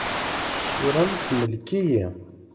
Ssura-m temlek-iyi.